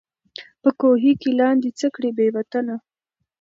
په کوهي کي لاندي څه کړې بې وطنه